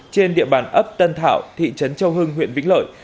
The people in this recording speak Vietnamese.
trên địa bàn ấp tân thảo thị trấn châu hưng huyện vĩnh lợi